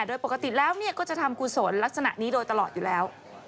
โดยปกติแล้วก็จะทำกุศลลักษณะนี้โดยตลอดอยู่แล้ว